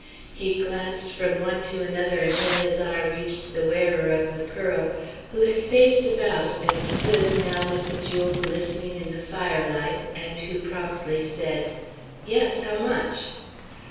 He glanced from one to another until his eye reached the wearer of the pearl, who had faced about, and stood now, with the jewel glistening in the firelight, and who promptly said: "Yes; how much?"